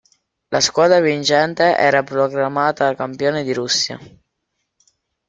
La squadra vincente era proclamata campione di Russia.